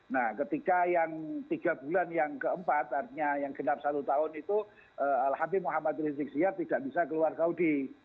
nah ketika yang tiga bulan yang keempat artinya yang genap satu tahun itu habib muhammad rizik sihab tidak bisa keluar saudi